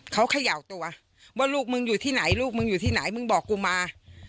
เขาเขย่าตัวว่าลูกมึงอยู่ที่ไหนลูกมึงอยู่ที่ไหนมึงบอกกูมา